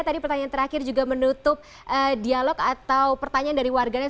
tadi pertanyaan terakhir juga menutup dialog atau pertanyaan dari warganet